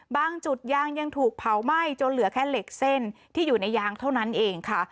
บางจุดยางยังถูกเผาไหม้จนเหลือแค่เหล็กเส้นที่อยู่ในยางเท่านั้นเองค่ะ